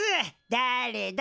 だれだ？